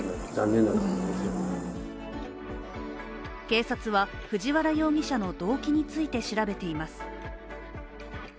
警察は藤原容疑者の動機について調べています。